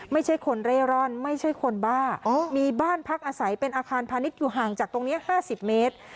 ไม่ใช่คนเร่ร่อนไม่ใช่คนบ้ามีบ้านพักอาศัยเป็นอาคารพาณิชย์อยู่ห่างจากตรงนี้๕๐เมตร